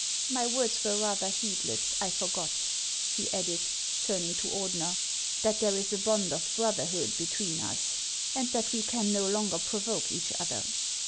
My words were rather heedless; I forgot," he added, turning to Ordener, "that there is a bond of brotherhood between us, and that we can no longer provoke each other.